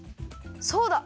そうだ。